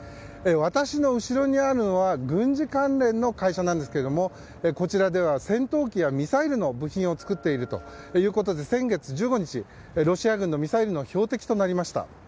私の後ろにあるのは軍事関連の会社なんですけどもこちらでは戦闘機やミサイルの部品を作っているということで先月１５日、ロシア軍のミサイルの標的となりました。